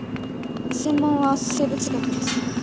専門は生物学です。